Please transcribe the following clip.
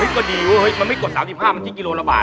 เห้ยก็ดีเว้ยมันไม่กด๓๕มันคิดกิโลละบาท